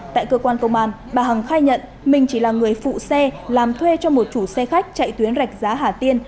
tại cơ quan công an bà hằng khai nhận mình chỉ là người phụ xe làm thuê cho một chủ xe khách chạy tuyến rạch giá hà tiên